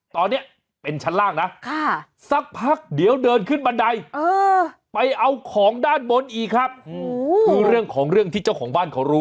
ตอนนี้เป็นชั้นล่างนะสักพักเดี๋ยวเดินขึ้นบันไดไปเอาของด้านบนอีกครับคือเรื่องของเรื่องที่เจ้าของบ้านเขารู้